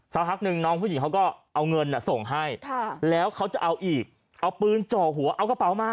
สักพักหนึ่งน้องผู้หญิงเขาก็เอาเงินส่งให้แล้วเขาจะเอาอีกเอาปืนจ่อหัวเอากระเป๋ามา